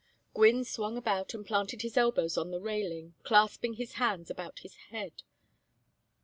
Gwynne swung about and planted his elbows on the railing, clasping his hands about his head.